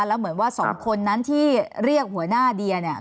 แล้วเหมือนว่าสองคนนั้นที่เรียกหัวหน้าเดียเนี่ย